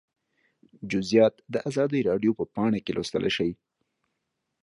جزییات د ازادي راډیو په پاڼه کې لوستلی شئ